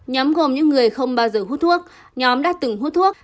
nhóm gồm những người không bao giờ hút thuốc nhóm đã từng hút thuốc